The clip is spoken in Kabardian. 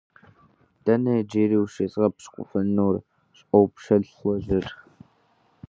- Дэнэ иджыри ущызгъэпщкӀуфынур? - щӀоупщӀэ лӏыжьыр.